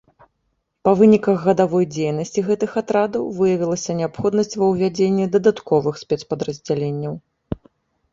Па выніках гадавой дзейнасці гэтых атрадаў выявілася неабходнасць ва ўвядзенні дадатковых спецпадраздзяленняў.